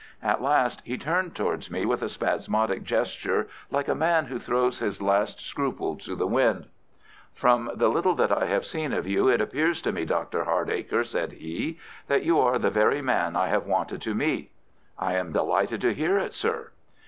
At last he turned towards me with a spasmodic gesture like a man who throws his last scruple to the winds. "From the little that I have seen of you it appears to me, Dr. Hardacre," said he, "that you are the very man I have wanted to meet." "I am delighted to hear it, sir."